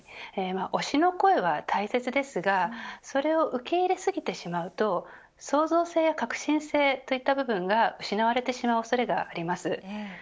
推しの声は大切ですが、それを受け入れ過ぎてしまうと創造性や革新性といった部分が失われてしまうおそれがあります。